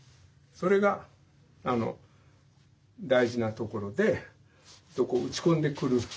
それが大事なところで打ち込んでくる。